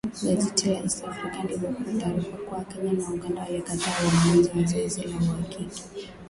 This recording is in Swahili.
Gazeti la East African limepata taarifa kuwa Kenya na Uganda walikataa uamuzi wa zoezi la uhakiki